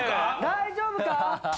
大丈夫か？